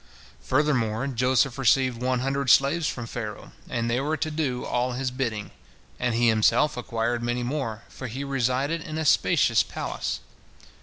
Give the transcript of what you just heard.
Furthermore, Joseph received one hundred slaves from Pharaoh, and they were to do all his bidding, and he himself acquired many more, for he resided in a spacious palace.